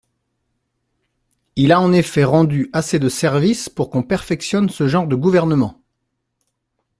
Il a en effet rendu assez de services pour qu'on perfectionne ce genre de gouvernement.